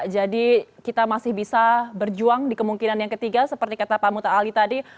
jadi kita masih bisa berjuang di kemungkinan yang ketiga seperti kata pak muta ali tadi